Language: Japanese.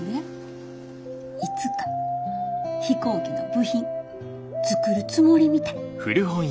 いつか飛行機の部品作るつもりみたい。